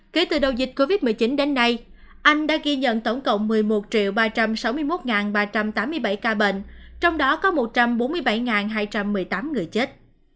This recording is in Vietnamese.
kể từ đầu dịch covid một mươi chín đến nay anh đã ghi nhận tổng cộng một mươi một ba trăm sáu mươi một ba trăm tám mươi bảy ca bệnh trong đó có một trăm bốn mươi bảy hai trăm một mươi tám người chết